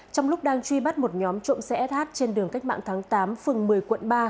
trong lúc đang truy bắt một nhóm trộm xe sh trên đường cách mạng tháng tám phường một mươi quận ba